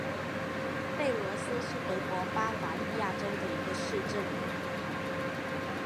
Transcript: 弗洛斯是德国巴伐利亚州的一个市镇。